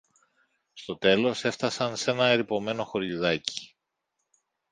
Στο τέλος έφθασαν σ' ένα ερειπωμένο χωριουδάκι